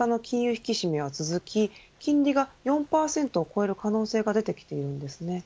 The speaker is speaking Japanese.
引き締めは続き金利が４％を超える可能性が出てきます。